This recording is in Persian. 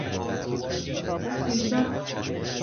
ثیبه